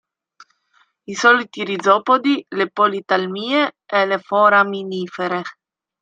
I soliti rizopodi, le polithalmie, e le foraminifere.